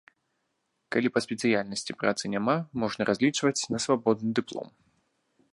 Калі па спецыяльнасці працы няма, можна разлічваць на свабодны дыплом.